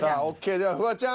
ではフワちゃん。